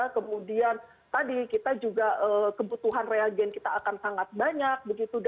kemudian kebutuhan reagen kita akan sangat banyak